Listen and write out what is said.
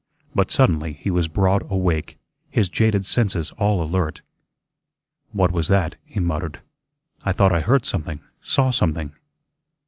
But suddenly he was broad awake, his jaded senses all alert. "What was that?" he muttered. "I thought I heard something saw something."